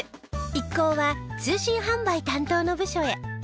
一行は通信販売担当の部署へ。